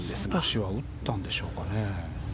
智は打ったんでしょうかね。